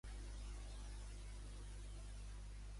Amb quin altre nom es coneix a Aengus?